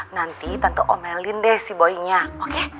nanti tante omelin deh si boy nya oke